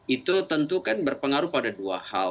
itu tentu kan berpengaruh pada dua hal